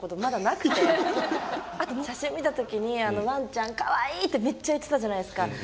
あと写真見たときにワンちゃんかわいいってめっちゃ言ってたじゃないですか。